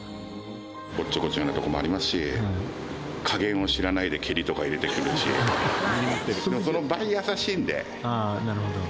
おっちょこちょいなところもありますし、加減を知らないで蹴りとか入れてくるし、なるほど。